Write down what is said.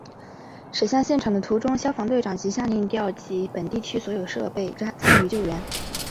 驶向现场的途中消防队长即下令调集本地区所有设备参与救援。